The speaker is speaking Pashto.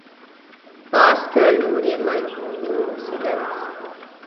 کمپاس د لوري معلومولو وسیله ده.